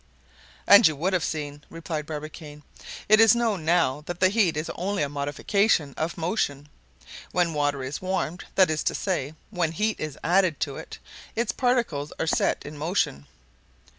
'" "And you would have seen," replied Barbicane. "It is known now that heat is only a modification of motion. When water is warmed—that is to say, when heat is added to it—its particles are set in motion."